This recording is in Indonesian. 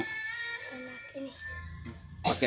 bisa pakai ini